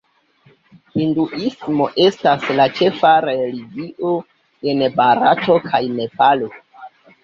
Hinduismo estas la ĉefa religio en Barato kaj Nepalo.